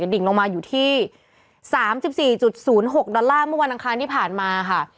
ดิ่งลงมาอยู่ที่๓๔๐๖ดอลลาร์เมื่อวันอังคารที่ผ่านมาค่ะ